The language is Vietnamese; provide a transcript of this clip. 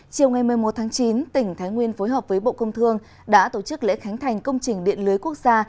chiều ngày một mươi một tháng chín tỉnh thái nguyên phối hợp với bộ công thương đã tổ chức lễ khánh thành công trình điện lưới quốc gia